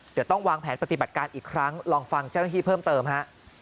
เดี๋ยวต้องวางแผนปฏิบัติการอีกครั้งลองฟังเจ้าหน้าที่เพิ่มเติมฮะ